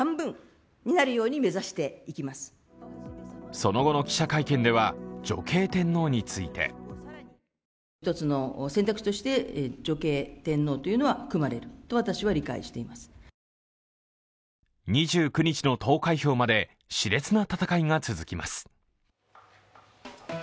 その後の記者会見では、女系天皇について２９日の投開票までしれつな戦いが続きます。